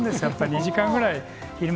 ２時間ぐらい、昼間。